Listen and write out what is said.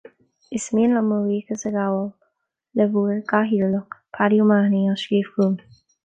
Is mian liom mo bhuíochas a ghabháil le bhur gCathaoirleach, Paddy O'Mahony, as scríobh chugam